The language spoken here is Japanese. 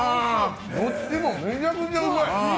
どっちもめちゃくちゃうまい。